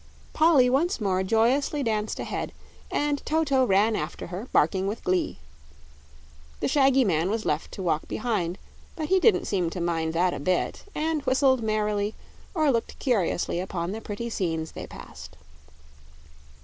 Polly once more joyously danced ahead and Toto ran after her, barking with glee. The shaggy man was left to walk behind; but he didn't seem to mind that a bit, and whistled merrily or looked curiously upon the pretty scenes they passed.